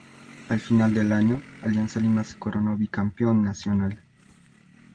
Al final del año, Alianza Lima se coronó Bicampeón Nacional.